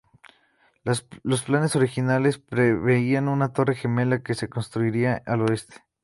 Los planes originales preveían una torre gemela que se construiría al oeste.